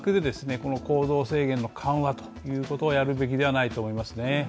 この行動制限の緩和ということをやるべきではないと思いますね